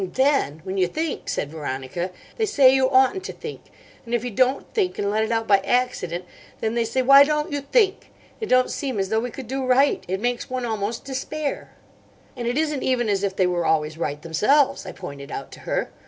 "And then when you think," said Veronica, "they say you oughtn't to think. And if you don't think, and let it out by accident, then they say 'why don't you think?' It don't seem as though we could do right. It makes one almost despair." "And it isn't even as if they were always right themselves," I pointed out to her.